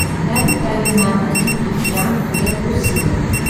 L’avitaillement en lubrifiant y est possible.